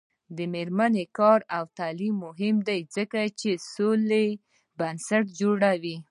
د میرمنو کار او تعلیم مهم دی ځکه چې سولې بنسټ جوړوي.